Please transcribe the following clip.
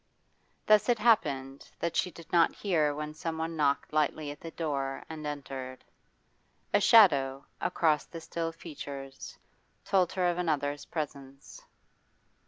Thus it happened that she did not hear when someone knocked lightly at the door and entered. A shadow across the still features told her of another's presence.